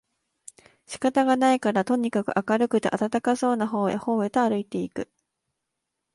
仕方がないからとにかく明るくて暖かそうな方へ方へとあるいて行く